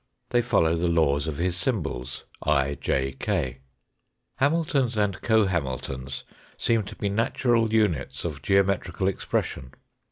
They follow the laws of his symbols, I, J, K. Hamiltons and co Hamiltons seem to be natural units of geometrical expression.